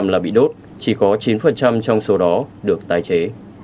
một mươi hai là bị đốt chỉ có chín trong số đó được tái chế